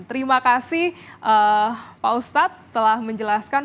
terima kasih pak ustadz telah menjelaskan